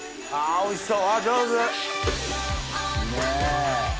おいしそう！